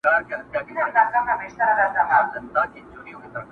زما له میني لوی ښارونه لمبه کیږي،